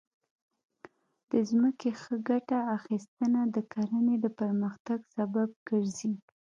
د ځمکې ښه ګټه اخیستنه د کرنې د پرمختګ سبب ګرځي.